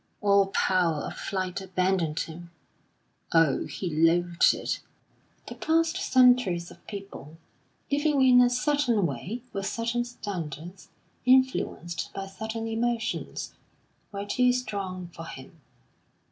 All power of flight abandoned him. Oh! he loathed it! The past centuries of people, living in a certain way, with certain standards, influenced by certain emotions, were too strong for him.